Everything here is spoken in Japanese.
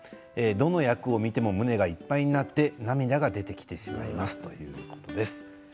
どの役を見ても胸がいっぱいになって涙が出てきてしまいますということです。